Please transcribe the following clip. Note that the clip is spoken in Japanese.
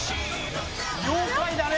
「妖怪だね」